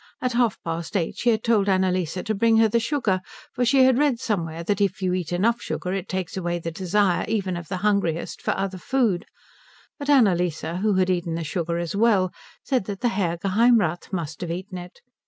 At half past eight she had told Annalise to bring her the sugar, for she had read somewhere that if you eat enough sugar it takes away the desire even of the hungriest for other food, but Annalise, who had eaten the sugar as well, said that the Herr Geheimrath must have eaten it.